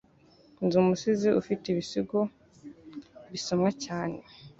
Nzi umusizi ufite ibisigo bisomwa cyane.